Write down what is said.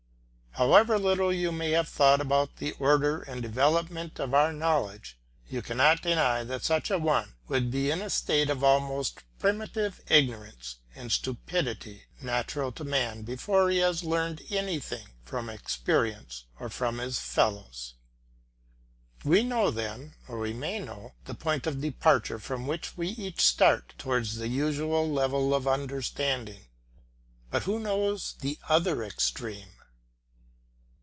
However little you may have thought about the order and development of our knowledge, you cannot deny that such a one would be in the state of almost primitive ignorance and stupidity natural to man before he has learnt anything from experience or from his fellows. We know then, or we may know, the point of departure from which we each start towards the usual level of understanding; but who knows the other extreme?